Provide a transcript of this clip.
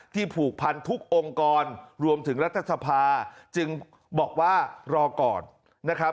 ผูกพันทุกองค์กรรวมถึงรัฐสภาจึงบอกว่ารอก่อนนะครับ